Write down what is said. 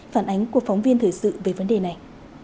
phản ánh của phóng viên thời sự về vấn đề này